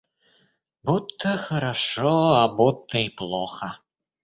Будто хорошо, а будто и плохо.